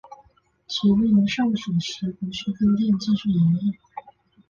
其位于上水石湖墟分店继续营业。